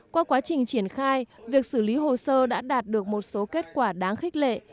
qua quá trình triển khai việc xử lý hồ sơ đã đạt được một số kết quả đáng khích lệ